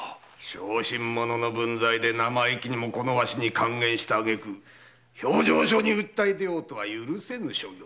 小心者の分際で生意気にもわしに諌言した挙句評定所に訴え出ようとは許せぬ所業。